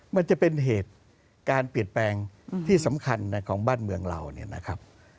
มันจะเป็นเหตุการปริจารณ์ที่สำคัญของบ้านเมืองเรานะครับ